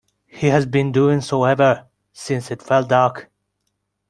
He has been doing so ever since it fell dark.